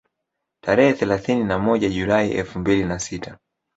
Tarehe thelathini na moja Julai elfu mbili na sita